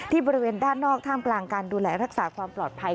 บริเวณด้านนอกท่ามกลางการดูแลรักษาความปลอดภัย